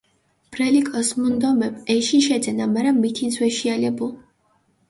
ბრელი კოს მუნდომებ, ეში შეძენა, მარა მითინს ვეშიალებუ.